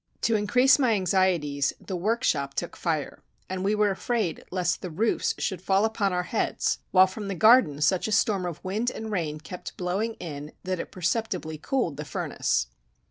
To increase my anxieties, the workshop took fire, and we were afraid lest the roofs should fall upon our heads; while from the garden such a storm of wind and rain kept blowing in that it perceptibly cooled the furnace.